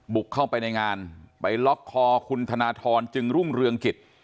บุกเข้าไปในงานไปล็อกคอคุณธนทรจึงรุ่งเรืองกิจ